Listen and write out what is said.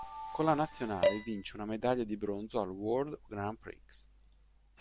Con la nazionale vince una medaglia di bronzo al World Grand Prix.